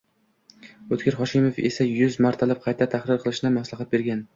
O‘tkir Hoshimov esa yuz martalab qayta tahrir qilishni maslahat bergan.